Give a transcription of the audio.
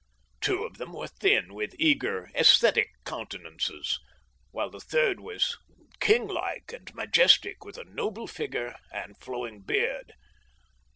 Two of them were thin, with eager, aesthetic countenances, while the third was kinglike and majestic, with a noble figure and flowing beard."